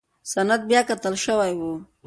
سند بیاکتل شوی و.